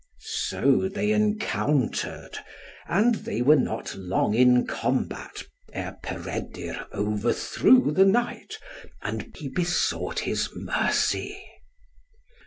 So they encountered, and they were not long in combat ere Peredur overthrew the knight, and he besought his mercy.